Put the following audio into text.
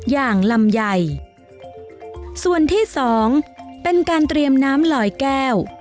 อย่างลำไยส่วนที่สองเป็นการเตรียมน้ำลอยแก้ว